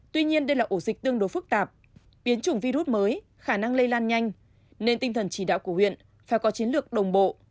tuy nhiên đây là ổ dịch tương đối phức tạp biến chủng virus mới khả năng lây lan nhanh nên tinh thần chỉ đạo của huyện phải có chiến lược đồng bộ